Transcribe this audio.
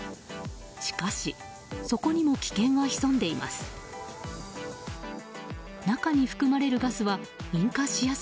しかし、そこにも危険は潜んでいます。